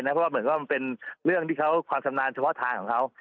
เพราะว่าเหมือนก็มันเป็นเรื่องที่เขาความชำนาญเฉพาะทางของเขา